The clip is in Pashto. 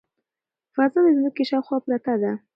فضا د ځمکې شاوخوا پرته ده.